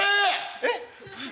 えっ？